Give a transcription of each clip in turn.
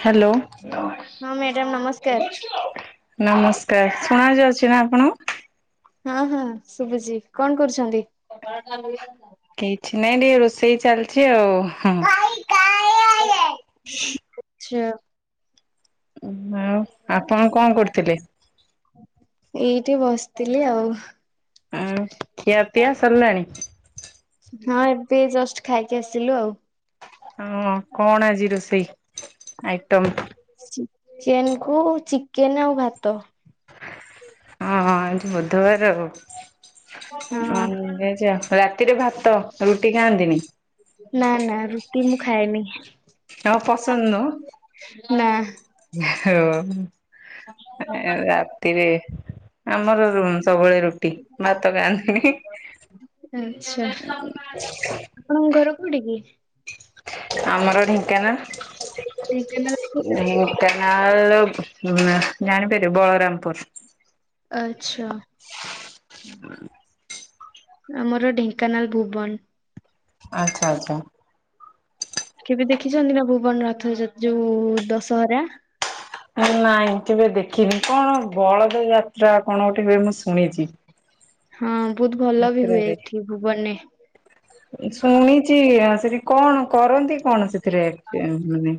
Hello. ହଁ madam ନମସ୍କାର। ଶୁଣା ଯାଉଚି ନା ଆପଣଙ୍କୁ? ହଁ ହଁ ଶୁବୁଚି। କଣ କରୁଚନ୍ତି? କିଛି ନାଇଁ ଟିକେ ରୋଷେଇ ଚାଲିଛି ଆଉ କାୟା। ଆଛା। ଆଉ ଆପଣ କଣ କରୁଥିଲେ? ଏଇଠି ବସିଥିଲି ଆଉ। ଆଉ ଖିଆ ପିଆ ସରିଲାଣି? ହଁ ଏବେ ଜଷ୍ଟ ଖାଇକି ଆସିଲୁ ଆଉ। ହଁ ହଁ କଣ ଆଜି ରୋଷେଇ ଆଇଟମ୍? ଚିକେନ କୁ ଚିକେନ ଆଉ ଭାତ। ହଁ ଆଜି ବୁଧବାର ଆଉ। ହଁ। ହଁ ଛ ରାତିରେ ଭାତ ରୁଟି ଖାଆନ୍ତିନି। ନାଁ ନାଁ ରୁଟି ମୁଁ ଖାଏନି। ହଁ ପସନ୍ଦ ନା ନୁହଁ ହାଓ। ଆ ରାତିରେ ଆମର ରୁଣ ସବୁବେଳେ ରୁଟି ଭାତ ଖାନ୍ତିନି। ଆଛା ଆପଣଙ୍କ ଘର କୋଉଠି କି? ଆମର ଢେଙ୍କାନାଳ। ଢେଙ୍କାନାଳକୁ ଢେଙ୍କାନାଳ ଜାଣିପାରିବ ବଳରାମପୁର। ଆଚ୍ଛା। ଆମର ଢେଙ୍କାନାଳ ଭୁବନ। ଆଚ୍ଛା ଆଚ୍ଛା। କେବେ ଦେଖିଛନ୍ତି ନା ଭୁବନ ରଥ ଯୋଉ ଦଶହରା? ନାଇଁ କେବେ ଦେଖିନି। କଣ ବଳଦେବ ଯାତ୍ରା କଣ ଗୋଟେ ହୁଏ ମୁଁ ଶୁଣିଛି। ହଁ ବହୁତ ଭଲ ବି ହୁଏ ଯାତ୍ରାରେ। ଏଠି ଭୁବନରେ। ଶୁଣିଛି ସେଠି କଣ କରନ୍ତି କଣ ସେଥିରେ। ମାନେ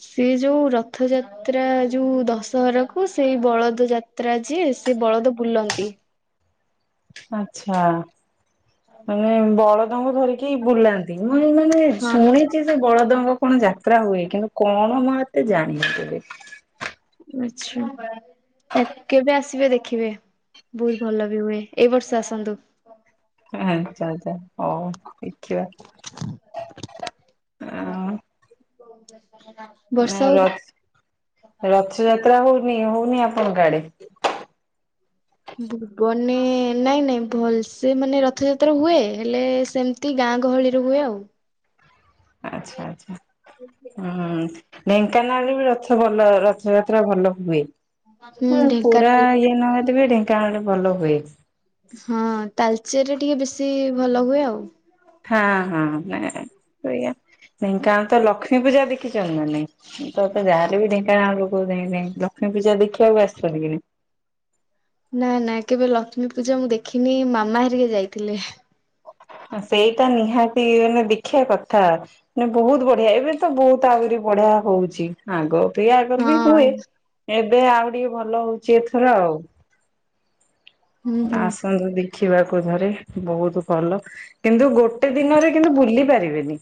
ସେ ଯୋଉ ରଥଯାତ୍ରା ଯାତ୍ରା ଯୋଉ ଦଶହରାକୁ ସେଇ ବଳଦ ଯାତ୍ରା ଯିଏ ସେ ବଳଦ ବୁଲନ୍ତି। ଆଛା ମାନେ ବଳଦଙ୍କୁ ଧରି ବୁଲାନ୍ତି ମୁଁ ମାନେ ଶୁଣିଛି ସେ ବଳଦେବଙ୍କ କଣ ଯାତ୍ରା ହୁଏ। କିନ୍ତୁ କଣ ମୋ ଜାଣିଥବେ। ଆଛା କେବେ ଆସିବେ ଦେଖିବେ। ବହୁତ ଭଲ ବି ହୁଏ। ଏଇ ବର୍ଷ ଆସନ୍ତୁ। ଆଚ୍ଛା ଆଚ୍ଛା ହଉ ଦେଖିବା ଆ [inaudible] ଆ ହଉ ରଥ ରଥଯାତ୍ରା ହଉନି ହଉନି ଆପଣଙ୍କ ଆଡେ। ଭୁବନେ ନାଇଁ ନାଇଁ ଭଲସେ ମାନେ ରଥଯାତ୍ରା ହୁଏ। ହେଲେ ସେମତି ଦ ଗାଁ ଗହଳିରୁ ହୁଏ ଆଉ। ଆଚ୍ଛା ଆଚ୍ଛା ହୁଁ। ଢେଙ୍କାନାଳରେ ବି ରଥ ଭଲ ରଥଯାତ୍ରା ଭଲ ହୁଏ। ହୁଁ ପୁରା ଢେଙ୍କାନାଳ ଇ ଦବେ ଢେଙ୍କାନାଳେ ଭଲ ହୁଏ। ହଁ ତାଲଚେରରେ ଟିକେ ବେଶୀ ଭଲ ହୁଏ ଆଉ। ହଁ ହଁ ସେଇା ନାଇଁ କାରଣ ତ ଲକ୍ଷ୍ମୀ ପୂଜା ଦେଖିଛନ୍ତି ମ ନାଇଁ? ତତେ ଯାହାର ବି ଢେଙ୍କାନାଳ ଲୋକ ଲକ୍ଷ୍ମୀ ପୂଜା ଦେଖିବାକୁ ଆସିଛନ୍ତି କି। ନା ନା କେବେ ଲକ୍ଷ୍ମୀ ପୂଜା ମୁଁ ଦେଖିନି। ମାମା ହରିକେ ଯାଇଥିଲେ। ସେଇଟା ନିହାତି ମାନେ ଦେଖିବା କଥା। ନ ବହୁତ ବଢିଆ ଏବେ ତ ବହୁତ ଆଗରି ବଢିଆ ହଉଛି। ଆଗ ପ ହଁ ଆଗରୁ ବି ହୁଏ ଏବେ ଆଉ ଟିକେ ଭଲ ହଉଛି ଏଥର ଆଉ। ହୁଁ ହୁଁ। ଆସନ୍ତୁ ଦେଖିବାକୁ ଧରେ ବହୁତ ଭଲ। କିନ୍ତୁ, ଗୋଟେ ଗୋଟେ ଦିନରେ କିନ୍ତୁ ବୁଲି ପାରିବେନି।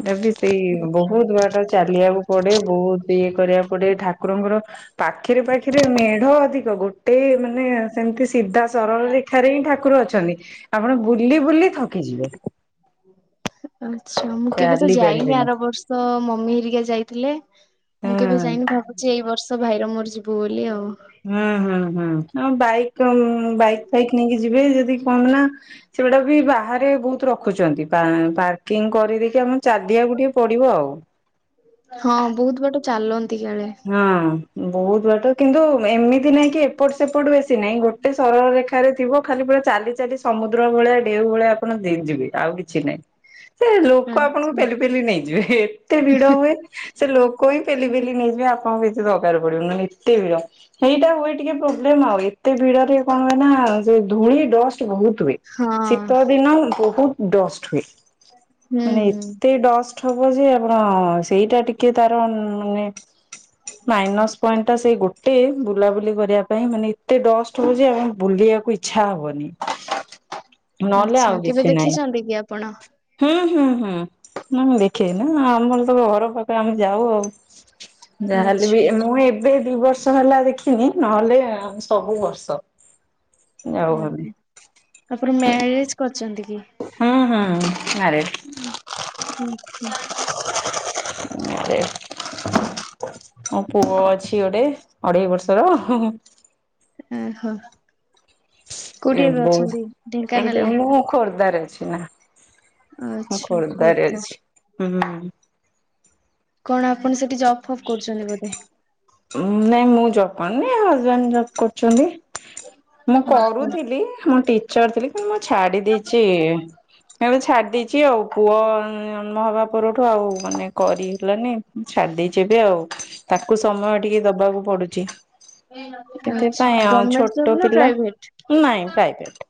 ଏଟା ବି ସେଇ ଆଚ୍ଛା। ବହୁତ ବାଟ ଚାଲିବାକୁ ପଡେ। ବହୁତ ଇଏ କରିବାକୁ ପଡେ। ଠା ଠାକୁରଙ୍କର ପାଖେରେ ପାଖେରେ ମେଢ ଅଧିକ। ଗୋଟେ ମାନେ ସେମିତି ସିଧା ସରଳ ରେଖାରେ ହିଁ ଠାକୁର ଅଛି। ଆପଣ ବୁଲି ବୁଲି ଥକି ଯିବେ। ଆଚ୍ଛା ମୁଁ କେବେ ତ ଚାଲି ଯାଇନି ପାରିବେନି। ଆର ବର୍ଷ ମମି ହେରିକା ଯାଇଥିଲେ। ମୁଁ କେବେ ହଁ। ଯାଇନି ଭାବୁଛି ଏଇ ବର୍ଷ ଭାଇର ମୋର ଯିବୁ ବୋଲି ଆଉ। ହୁଁ ହୁଁ ହୁଁ ଆ ବାଇକ୍ ବାଇକ୍ ଫାଇକ୍ ନେଇକି ଯିବେ ଯଦି କଣ ନା ସେଗୁଡା ବି ବାହାରେ ବହୁତ ରଖୁଛନ୍ତି। ପାର୍କିଙ୍ଗ କରିଦେଇକି ଆମ ଚାଲିଆକୁୁ ଟିକେ ପଡିବ ଆଉ ହଁ ବହୁତ ବାଟ ଚାଲନ୍ତି କାଳେ ହଁ ବହୁତ ବାଟ କିନ୍ତୁ ଏମିତି ନାହିଁ କି ଏପଟ ସେପଟ ବେଶୀ ନାହିଁ ଗୋଟେ ଏତେ ସରଳରେଖାରେ ଥିବ ଖାଲି ପୁରା ଚାଲି ଚାଲି ସମୁଦ୍ର ଭଳିଆ ଢେଉ ଭଳିଆ ଆପଣ ଯିବେ ଆଉ କିଛି ନାହିଁ। ଁ ସେ ଲୋକ ଆପଣଙ୍କୁ ଆଚ୍ଛା ପେଲିପେଲି ନେଇଯିବେ। ଏତେ ଭିଡ ହୁଏ ସେ ଲୋକ ହିଁ ପେଲିପେଲି ନେଇଯିବେ। ବି ଆପଣଙ୍କୁ କିଛି ଦରକାର ପଡିବନି ଏତେ ଭି ର ଏଇଟା ହୁଏ ଟିକେ ପ୍ରୋବ୍ଲେମ ଆଉ ଏତେ ଭିଡରେ କଣ ହୁଏ ନା ସେ ଧୂଳି, ଡଷ୍ଟ ବହୁତ ହୁଏ। ହଁ ଶୀତ ଦିନ ବହୁତ ଡଷ୍ଟ ହୁଏ। ହୁଁ ମାନେ ହୁଁ। ଏତେ ଡଷ୍ଟ ହବ ଯେ ଆପଣ ସେଇଟା ଟିକେ ତାର ମାନେ ମାଇନସ ପଏଣ୍ଟ ଟା ସେଇ ଗୋଟେ। ବୁଲାବୁଲି କରିବା ପାଇଁ ମାନେ ଏତେ ଡଷ୍ଟ ହଉଛି ଆମ ବୁଲିବାକୁ ଇଛା ଇଚ୍ଛା ହବନି। ନହଲେ ଆଚ୍ଛା ଆଉ କେବେ କିଛି ନାହିଁ। ଦେଖିଛନ୍ତି କି ଆପଣ? ହୁଁ ହୁଁ ହୁଁ ନା ମୁଁ ଦେଖେଇ ନା ଆମର ତ ଘର ପାଖରେ ଆମେ ଯାଉ ଆଉ ଯାହାହେଲେ ଆଚ୍ଛା ବି ମୁଁ ଏବେ ଦି ବର୍ଷ ହେଲା ଦେଖିନି। ନହେଲେ ସବୁ ବର୍ଷ ଯାଉ ଆମେ ଓହୋ ତାପରେ ମ୍ୟାରେଜ କରିଛନ୍ତି କି? ହଁ ହଁ ମ୍ୟାରେଡ୍। [inaudible] ଏ ମୋ ପୁଅ ଅଛି ଗୋଟେ ଅଢେଇ ବର୍ଷର ହିଁ ହିଁ। ଏ ଓହୋ। କୋଉଠି ଏ ଏବେ ବୋଉ ଅଛନ୍ତି ଏଇଟା ଢେଙ୍କାନାଳରେ? ମୁଁ ଖୋର୍ଦ୍ଧାରେ ଅଛି ନା। ମୁଁ ଆଚ୍ଛା ଖୋର୍ଦ୍ଧାରେ ଖୋର୍ଦ୍ଧା ଅଛି ହୁଁ। କଣ ଆପଣ ସେଠି ଜବ୍ ଫବ୍ କରୁଛନ୍ତି ବୋଧେ? ନାଇଁ ମୁଁ ଜବ୍ କରୁନି ହଜବେଣ୍ଡ ଜବ୍ କରୁଛନ୍ତି। ମୁଁ ଓହୋ। କରୁଥିଲି ମୁଁ ଟିଚର ଥିଲି କିନ୍ତୁ ମୁଁ ଛାଡି ଦେଇଛି। ମୁଁ ଏବେ ଛାଡ଼ିଦେଇଛି ଆଉ ପୁଅ ଜନ୍ମ ହେବା ପରଠୁ ଆଉ ମାନେ କରିହେଲାନି। ଛାଡ଼ିଦେଇଛି ଏବେ ଆଉ ତାକୁ ସମୟ ଟିକେ ଦବାକୁ ପଡୁଛି। ଆଚ୍ଛା ସେଥିପାଈଁ ଆ ଗଭର୍ଣମେଣ୍ଟ ଜବ୍ ଛୋଟ ପିଲା ନାଇଁ ପ୍ରାଇଭେଟ!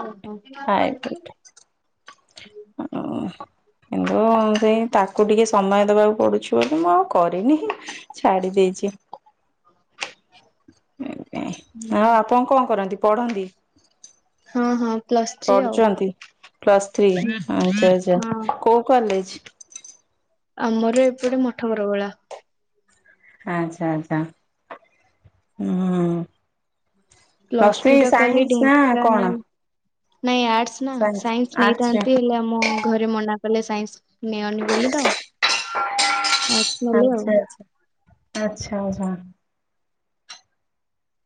ଓହୋ [inaudible] ଓହ। କିନ୍ତୁ ସେଇ ତାକୁ ଟିକେ ସମୟ ଦେବାକୁ ପଡ଼ୁଛି ବୋଲି ମୁଁ ଆଉ କରିନି। ଛାଡି ଦେଇଛି। ଏଇଥିପାଇଁ ହଁ ଆପଣ କଣ କରନ୍ତି ପଢନ୍ତି। ହଁ ହଁ। ପ୍ଲସ୍ ଥ୍ରୀ ଆଉ। ପଢୁଛନ୍ତି ପ୍ଲସ ଥ୍ରୀ ଆଛା ହଁ ଆଛା କୋଉ କଲେଜ? ଆମର ଏପଟେ ମଠବରଗଳା। ଆଚ୍ଛା ଆଚ୍ଛା ହୁଁ। ପ୍ଲସ୍ ପ୍ଲସ ଥ୍ରୀ ଟୁ ଟା କଲି ସାଇନ୍ସ ନା କଣ? ଢେଙ୍କାନାଳ ନାଇଁ ଆର୍ଟସ ନା ସାଇନ୍ସ ନେଇଥାନ୍ତି ହେଲେ ଆମ ଘରେ ମନା କଲେ ସାଇନ୍ସ ନିଅନି ବୋଲି ତ ଆର୍ଟ୍ସ ନେଲି। ଆଚ୍ଛା ଆଚ୍ଛା ଆଚ୍ଛା ଆଚ୍ଛା। [inaudible]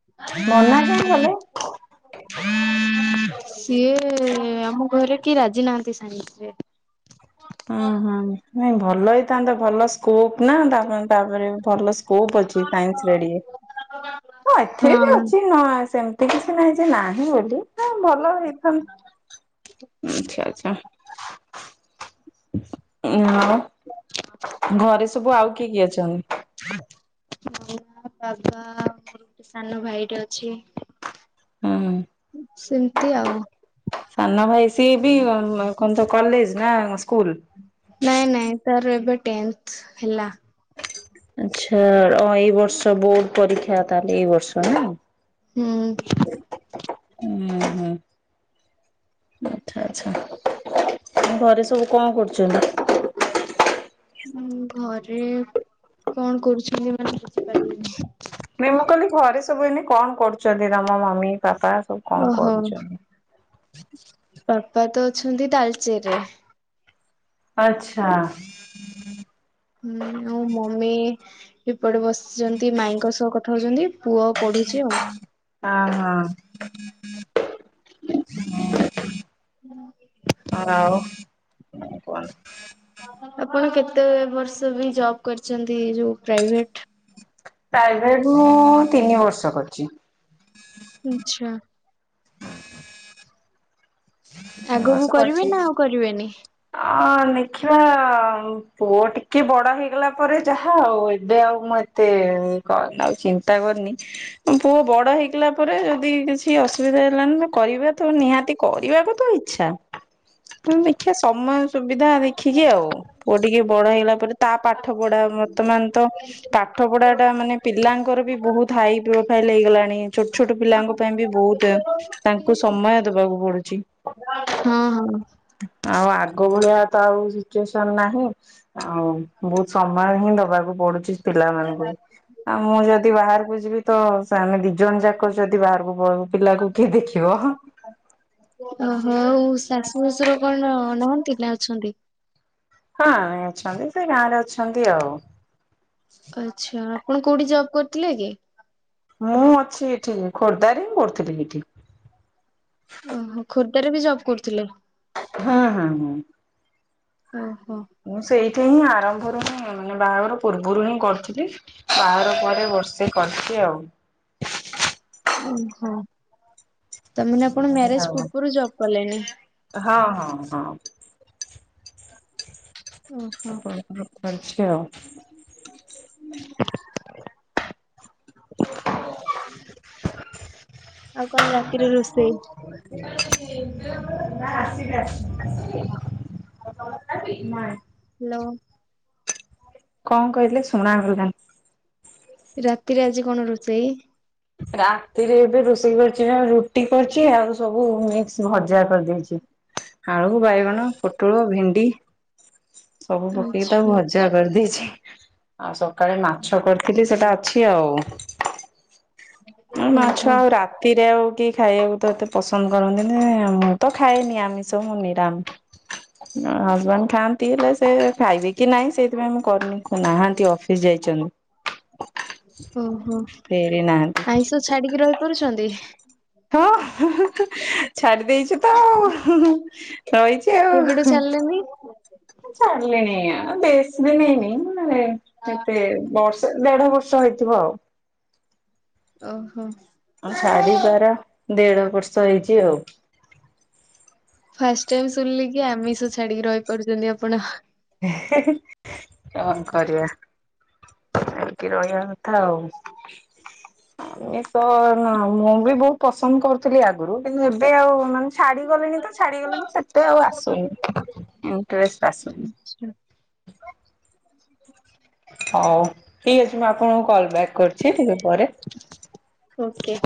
ମନା କାହିଁ କଲେ? ସିଏ ଆମ ଘରେ କିଏ ରାଜି ନାହାନ୍ତି ସାଇନ୍ସ ରେ ହଁ ହଁ ନାଇଁ ଭଲ ହେଇଥାନ୍ତା ଭଲ ସ୍କୋପ୍ ନା ତାପାଇଁ ତାପରେ ଭଲ ସ୍କୋପ୍ ଅଛି ସାଇନ୍ସରେ ଟିକେ ହଁ ଏଥିରେ ବି ଅଛି ନା ସେମିତି କିଛି ନାହିଁ ଯେ ନାହିଁ ବୋଲି ଭଲ ହେଇଥାନ୍ତା ଆଚ୍ଛା ଆଚ୍ଛା ହଁ ଆଉ ଘରେ ସବୁ ଆଉ କିଏ କିଏ ଅଛନ୍ତି [inaudible] ଆଉ ମୋ ବାବା ମୋର [inaudible] ଗୋଟେ ସାନ ଭାଇଟେ ଅଛି ହଁ ସେମିତି ଆଉ ସାନ ଭାଇ ସିଏ ବି କଣ ତ କଲେଜ ନା ସ୍କୁଲ ନାଇଁ ନାଇଁ ତାର ଏବେ ଟେନ୍ଥ୍ ହେଲା ଆଛା ହଁ ଏଇ ବର୍ଷ ବୋର୍ଡ ପରୀକ୍ଷା ତାହେଲେ ଏଇ ବର୍ଷ ନାଇଁ ହିଁ ହିଁ ହିଁ ଆଚ୍ଛା ଆଚ୍ଛା ଘରେ ସବୁ କଣ କରୁଛନ୍ତି ହିଁ ଘରେ କଣ କରୁଛନ୍ତି ମାନେ ବୁଝିପାରିଲିନି ନା ମୁଁ କହିଲି ଘରେ ସବୁ ଏଇନେ କଣ କରୁଛନ୍ତି ତମ ମମି ପାପା ସବୁ କଣ ଓହୋ କରୁଛନ୍ତି? ପାପା ତ ଅଛନ୍ତି ତାଲଚେରରେ ଆଚ୍ଛା ହିଁ ଆଉ ମମି ଏପଟେ ବସିଛନ୍ତି ମାଇଙ୍କ ସହ କଥା ହଉଛନ୍ତି। ପୁଅ ପଢୁଛି ଆଉ ହଁ ହଁ ହିଁ ହିଁ [inaudible] ଆଉ [inaudible] ଆପଣ କେତେ ବର୍ଷ ବି ଜବ କରିଛନ୍ତି ଯୋଉ ପ୍ରାଇଭେଟ୍। ପ୍ରାଇଭେଟ୍ ମୁଁ ତିନି ବର୍ଷ କରିଛି। ଆଚ୍ଛା। ଆଗକୁ କରିବେ ନା ଆଉ କରିବେନି? ଆଁ ଦେଖିବା ପୁଅ ଟିକେ ବଡ ହେଇଗଲା ପରେ ଯାହା ଆଉ ଏବେ ଆଉ ମୁଁ ଏତେ ଆଉ ଚିନ୍ତା କରିନି ପୁଅ ବଡ ହେଇଗଲା ପରେ ଯଦି କିଛି ଅସୁବିଧା ହେଲାନି କରିବା ତ ନିହାତି। କରିବାକୁ ତ ଇଚଛା ଦେଖିବା ସମୟ ସୁବିଧା ଦେଖିକି ଆଉ। ପୁଅ ଟିକେ ବଡ ହେଇଲା ପରେ ତା ପାଠ ପଢା ବର୍ତ୍ତମାନ ତ ପାଠ ପଢା ଟା ମାନେ ପିଲାଙ୍କର ବି ବହୁତ ହାଇ ପ୍ରୋଫାଇଲ ହେଇଗଲାଣି ଛୋଟ ଛୋଟ ପିଲାଙ୍କ ପାଇଁ ବି ବହୁତ ତାଙ୍କୁ ସମୟ ଦବାକୁ ପଡୁଛି ହୁ ଆଉ ଆଗ ଭଳିଆ ତ ଆଉ ସିଚୁଏସନ ନାହିଁ ଆଉ ବହୁତ ସମୟ ହିଁ ଦବାକୁ ପଡୁଛି ପିଲାମାନଙ୍କୁ ବି ଆଉ ମୁଁ ଯଦି ବାହାରକୁ ଯିବି ତ ଆମେ ଦି ଜଣ ଯାକ ଯଦି ବାହାରକୁ ପିବୁ ପିଲାକୁ କିଏ ଦେଖିବ? ଓ ହୋଉ ଶାଶୁ ଶଶୁର କଣ ନହାନ୍ତି ନା ଅଛନ୍ତି? ହଁ ଅଛନ୍ତି ସେ ଗାଁରେ ଅଛନ୍ତି ଆଉ ଆଚ୍ଛା ଆପଣ କୋଉଠି ଜବ୍ କରିଥିଲେ କି? ମୁଁ ଅଛି ଏଠି ଖୋର୍ଦ୍ଧ କରୁଥିଲି ଏଠି ଓହୋ ଖୋର୍ଦ୍ଧାରେ ବି ଜବ୍ କରୁଥିଲେ ହଁ, ହଁ, ହଁ ଓହୋ ମୁଁ ସେଇଠି ହିଁ ଆରମ୍ଭରୁ ହିଁ ମାନେ ବାହାଘର ପୂର୍ବରୁ ହିଁ କରିଥିଲି ବାହାର ପରେ ବର୍ଷେ କରିଛି ଆଉ। ଓହୋ, ତମାନେ ଆପଣ ମ୍ୟାରେଜ ପୂର୍ବରୁ ଜବ୍ କଲେଣି? ହଁ, ହଁ, ହଁ। ଓହୋ। [unintelligible] ଆଉ କଣ ରାତିରେ ରୋଷେଇ [unintelligible] [unintelligible] ହାଲୋ। କଁ କହିଲେ ଶୁଣା ଗଲାଣି? ରାତି ରେ ଆଜି କଣ ରୋଷେଇ? ରାତିରେ ଏବେ ରୋଷେଇ କରଛି ବା ରୁଟି କରିଛି ଆଉ ସବୁ ମିକ୍ସ ଭଜା କରି ଦେଇଛି। ଆଳୁ ବାଇଗଣ ପୋଟଳ ଭେଣ୍ଡି ସବୁ ପକେଇକି ଆଚ୍ଛା ତାକୁ ଭଜା। କରି ଦେଇଛି ଆଉ ସକାଳେ ମାଛ କରିଥିଲି ସେଟା ଅଛି ଆଉ। ନାଇଁ ମାଛ ଓହୋ ଆଉ ରା ତି ରେ ଆଉ କେହି ଖାଇବାକୁ ତ ଏତେ ପସନ୍ଦ କରନ୍ତି, ମୁଁ ତ ଖାଏନି ଆମିଷ‌ ମୁଁ ନିରାମ ହଜବେଣ୍ଡ ଖାଆନ୍ତି ହେଲେ ସେ ଖାଇବେ କି ନାଇଁ ସେଇଥିପାଇଁ ମୁଁ କରିନି ସେ ନାହାନ୍ତି ଅଫ ସ୍ ଯାଇଛନ୍ତି। ଓହୋ, ଫେରି ନାହାନ୍ତି। ଆଇଁଷ ଛାଡିକି ରହି ପାରୁଛନ୍ତି। ହଁ ହୁଁ ହୁଁ ହୁଁ ଛାଡି ଦେଇେଛି ତ ହୁଁ ହୁଁ ରହିଛି ଆଉ କେବେଠୁ ହୁଁ। ଛାଡିଲେନି? ମୁଁ ଛାଡିଲିଣି ଆ ବେଶି ଦିନି ହେଇନି ଏ କେତେ ବର୍ଷେ। ଦେଢ ବର୍ଷ ହେଇଥିବ ଆଉ। ଓହୋ। ମୁଁ ଛାଡିବାର ଦେଢ ବର୍ଷ ହେଇଛି ଆଉ। ଫାଷ୍ଟ ଟାଇମ୍ ଶୁଣିଲି କି ଆମିଷ ଛାଡିକି ରହି ପାରୁଛନ୍ତି ଆପଣ। କଣ କରିବା। ଛାଡିକି ରହିବା କଥା ଆଉ। ଇଏ ତ ନା ମୁଁ ବି ବହୁତ ପସନ୍ଦ କରୁଥିଲି ଆଗରୁ କିନ୍ତୁ ଏବେ ଆଉ ମାନେ। ଛାଡିଗଲିଣି ତ ଛାଡିଗଲିଣି ସେତେ ଆଉ ଆସୁନି ଇଣ୍ଟରେଷ୍ଟ ଆସୁନି। ଆଚ୍ଛା [inaudible] ହଉ ଠିକ ଅଛି ମୁଁ ଆପଣଙ୍କୁ କଲ୍ ବ୍ୟାକ କରୁଛି ଟିକେ ପରେ। ଓକେ।